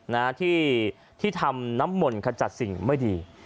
น่าที่ทำน้ำหม่นขจัดครรภ์ผิดไม่ดี